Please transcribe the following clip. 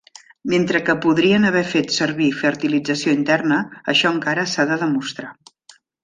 Mentre que podrien haver fet servir fertilització interna, això encara s'ha de demostrar.